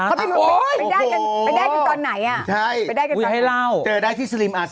ไม่ได้ขึ้นตอนไหนค่ะ